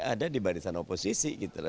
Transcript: ada di barisan oposisi